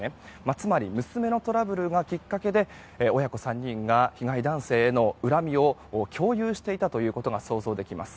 つまり、娘のトラブルがきっかけで、親子３人が被害男性への恨みを共有していたということが想像できます。